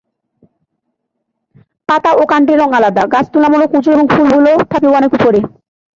পাতা ও কান্ডের রং আলাদা, গাছ তুলনামূলক উঁচু এবং ফুলগুলো থাকে অনেক উপরে।